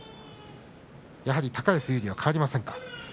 やはり高安有利は変わりませんか？